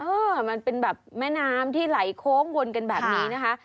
เออมันเป็นแบบแม่น้ำที่ไหลโค้งวนกันแบบนี้นะคะ